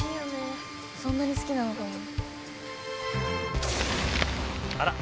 そんなに好きなのかな？